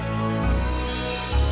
tidak ada apa apa